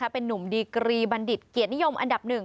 เป็นนุ่มดีกรีบัณฑิตเกียรตินิยมอันดับ๑